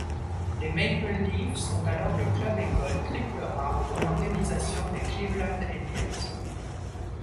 Les Maple Leafs sont alors le club école Triple-A de l'organisation des Cleveland Indians.